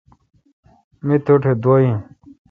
می تٹھ دعا این۔